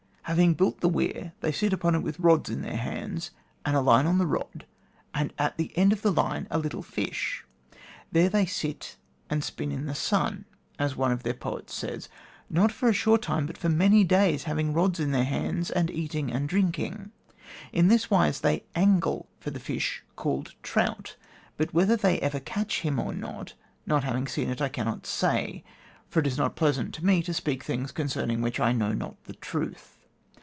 Having built the weir they sit upon it with rods in their hands, and a line on the rod, and at the end of the line a little fish. There then they 'sit and spin in the sun,' as one of their poets says, not for a short time but for many days, having rods in their hands and eating and drinking. In this wise they angle for the fish called trout; but whether they ever catch him or not, not having seen it, I cannot say; for it is not pleasant to me to speak things concerning which I know not the truth.